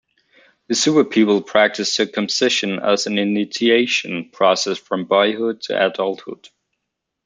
The Suba people practice circumcision as an initiation process from boyhood to adulthood.